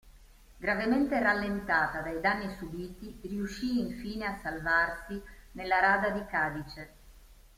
Gravemente rallentata dai danni subiti riuscì infine a salvarsi nella rada di Cadice.